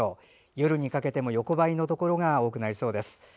夜にかけても横ばいのところが多くなりそうです。